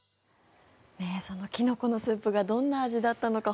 そのキノコのスープがどんな味だったのか